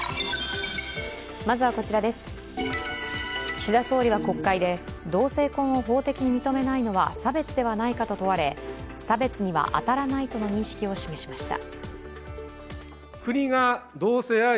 岸田総理は国会で、同性婚を法的に認めないのは差別ではないかと問われ差別には当たらないとの認識を示しました。